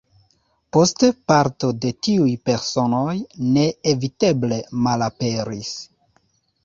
Poste parto de tiuj personoj neeviteble malaperis.